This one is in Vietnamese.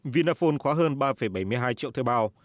vinaphone khóa hơn ba bảy mươi hai triệu thuê bao